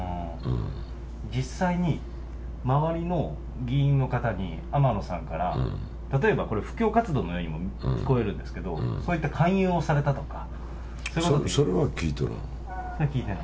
実際に、周りの議員の方に、天野さんから、例えばこれ、布教活動のようにも聞こえるんですけど、そういった勧誘をされたそれは聞いてない。